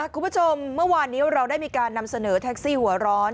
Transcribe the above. คุณผู้ชมเมื่อวานนี้เราได้มีการนำเสนอแท็กซี่หัวร้อน